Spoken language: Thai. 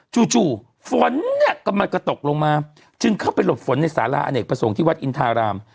จู่ฝนเนี่ยกำลังกระตกลงมาจึงเข้าไปหลบฝนในสาราอเนกประสงค์ที่วัดอินทาราม